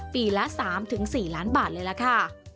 ปีละ๓๔ล้านบาทเลยล่ะค่ะ